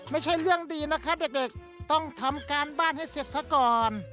ไม่ใช่เรื่องดีนะครับเด็กต้องทำการบ้านให้เสร็จซะก่อน